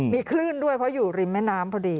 มีคลื่นด้วยเพราะอยู่ริมแม่น้ำพอดี